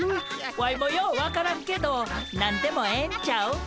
ワイもよう分からんけど何でもええんちゃう？